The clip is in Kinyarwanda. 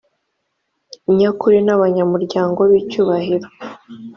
nyakuri n’abanyamuryango b’icyubahiro